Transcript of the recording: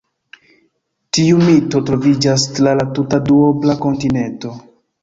Tiu mito troviĝas tra la tuta duobla kontinento.